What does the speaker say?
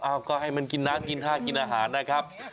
เอาก็ให้มันกินน้ำกินท่ากินอาหารนะครับ